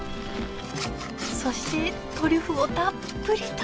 そしてトリュフをたっぷり堪能！